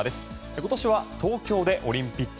今年は東京でオリンピック